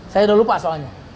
saya udah lupa soalnya